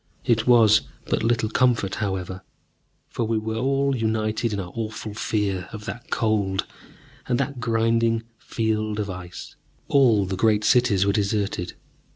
It was but little comfort, however, for we were all united in our awful fear of that Cold and that grinding field of Ice. All the great cities were deserted.